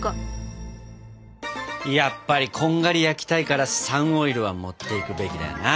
やっぱりこんがり焼きたいからサンオイルは持っていくべきだよな。